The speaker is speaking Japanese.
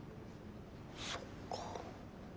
そっか。